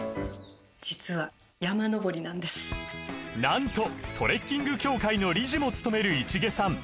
実はなんとトレッキング協会の理事もつとめる市毛さん